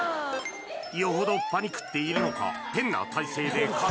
よほどパニクっているのか